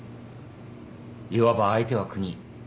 いわば相手は国。